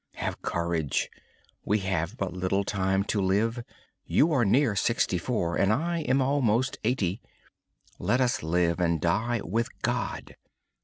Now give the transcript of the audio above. Have courage. We have but little time to live. You are nearly sixty four, and I am almost eighty. Let us live and die with God.